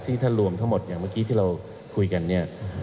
ท่านรวมทั้งหมดอย่างเมื่อกี้ที่เราคุยกันเนี่ย